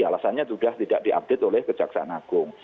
alasannya sudah tidak diupdate oleh kejaksaan agung